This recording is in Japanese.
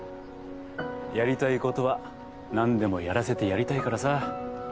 やりたいことは何でもやらせてやりたいからさ。